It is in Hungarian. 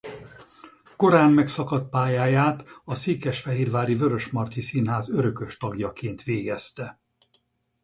Korán megszakadt pályáját a székesfehérvári Vörösmarty Színház örökös tagjaként végezte.